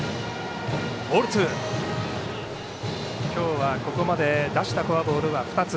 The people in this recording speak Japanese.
今日は、ここまで出したフォアボールは２つ。